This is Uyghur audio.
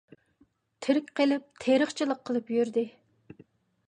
تىرىك قېلىپ، تېرىقچىلىق قىلىپ يۈردى.